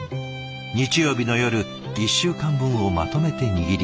日曜日の夜１週間分をまとめて握り